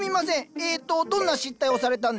えっとどんな失態をされたんですか？